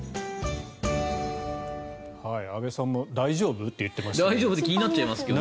安部さんも大丈夫？って言ってましたが。